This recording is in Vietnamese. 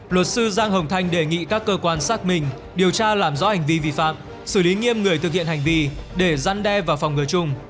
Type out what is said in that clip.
luật sư giang hồng thanh đề nghị các cơ quan xác minh điều tra làm rõ hành vi vi phạm xử lý nghiêm người thực hiện hành vi để gian đe và phòng ngừa chung